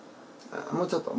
もうちょっと。